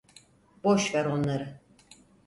Boş ver onları.